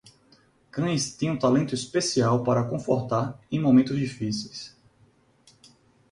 Cães têm um talento especial para confortar em momentos difíceis.